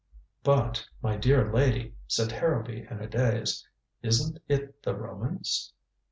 "But, my dear lady," said Harrowby in a daze, "isn't it the Romans?"